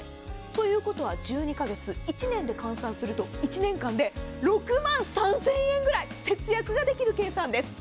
ということは１２カ月１年で換算すると１年間で６万３０００円くらい節約ができる計算です。